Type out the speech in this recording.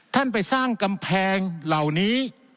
ท่านไปสร้างกำแพงเหล่านี้